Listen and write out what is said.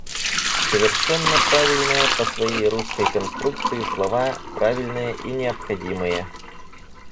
Совершенно правильные по своей русской конструкции слова, правильные и необходимые.